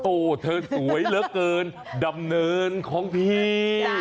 โอ้โหเธอสวยเหลือเกินดำเนินของพี่